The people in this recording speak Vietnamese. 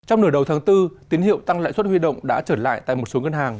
trong nửa đầu tháng bốn tín hiệu tăng lãi suất huy động đã trở lại tại một số ngân hàng